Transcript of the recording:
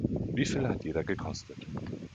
Wie viel hat jeder gekostet?